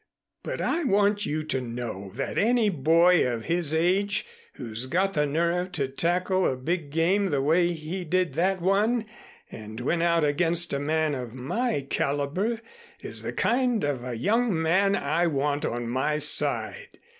But I want you to know that any boy of his age who's got the nerve to tackle a big game the way he did that one and win out against a man of my caliber is the kind of a young man I want on my side.